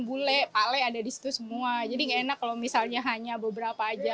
bule pale ada di situ semua jadi nggak enak kalau misalnya hanya beberapa aja